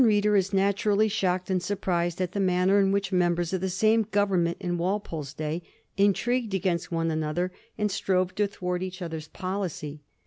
329 A modem reader is naturally shocked and sur prised at the manner in which members of the same Government in Walpole's day intrigued against one another, and strove to thwart each other's policy.